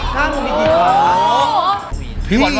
จ้างกรีกีฟ้า